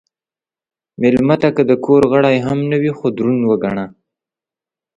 مېلمه ته که د کور غړی هم نه وي، خو دروند وګڼه.